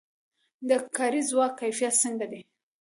د کاري ځواک کیفیت څنګه دی؟